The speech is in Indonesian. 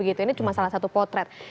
ini cuma salah satu potret